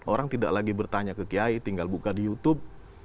orang tidak lagi bertanya ke kiai tinggal buka di youtube